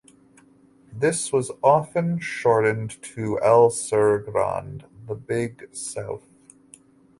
This was often shortened to "el sur grande" (the big south).